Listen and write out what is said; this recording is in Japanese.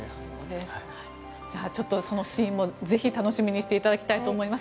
そのシーンもぜひ楽しみにしていただきたいです。